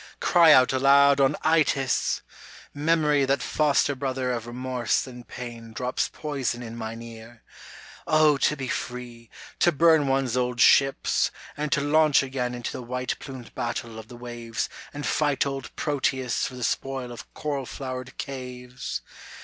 Cry out aloud on Itys ! memory That foster brother of remorse and pain Drops poison in mine ear, — O to be free, To burn one's old ships ! and to launch again Into the white plumed battle of the waves And fight old Proteus for the spoil of coral flowered caves!